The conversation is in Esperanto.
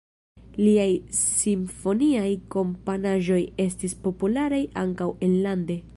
Liaj simfoniaj komponaĵoj estis popularaj ankaŭ enlande.